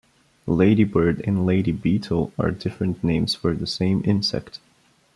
Ladybird and lady beetle are different names for the same insect.